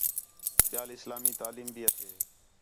ٻِیال اِسلامی تعلیم بھی ہتھے